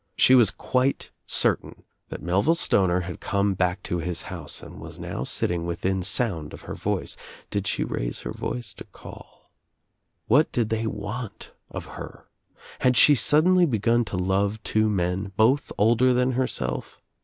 She quite certain that Melville Stoner had come back to his house and was now sitting within sound of her voice, did she raise her voice to call. What did they want her of her? Had she suddenly begun to love two men, both older than herself?